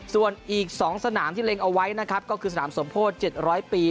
ส่วนอีก๒สนามที่เล็งเอาไว้นะครับก็คือสนามสมโพธิ๗๐๐ปี